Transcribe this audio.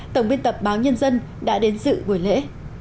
tổng biên tập báo nhân dân đã đến dự buổi lễ